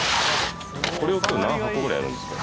これを今日何箱ぐらいやるんですか？